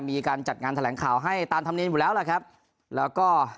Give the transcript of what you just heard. มีการจัดงานแถลงข่าวให้ตามธรรมเนียมอยู่แล้วล่ะครับแล้วก็